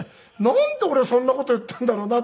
「なんで俺そんな事言ったんだろうな」